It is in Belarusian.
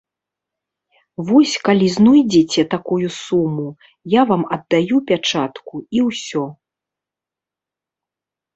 Вось калі знойдзеце такую суму, я вам аддаю пячатку і ўсё.